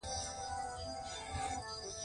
پاک نیت، پاک عاقبت.